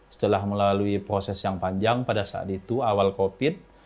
setelah melalui proses yang panjang pada saat itu awal covid